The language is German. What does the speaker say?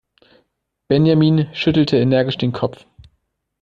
Benjamin schüttelte energisch den Kopf.